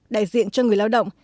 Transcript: đại diện cho người lao động